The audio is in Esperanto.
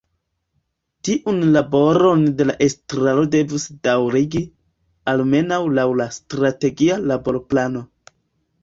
Tiun laboron la estraro devus daŭrigi, almenaŭ laŭ la Strategia Laborplano.